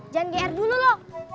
jangan gr dulu lo